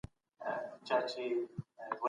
د ټولني او فرد ترمنځ اړيکي مهمې دي.